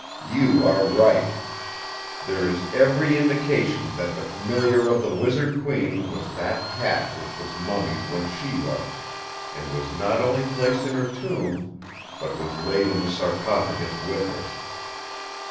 "You are right! There is every indication that the Familiar of the Wizard Queen was that cat which was mummied when she was, and was not only placed in her tomb, but was laid in the sarcophagus with her.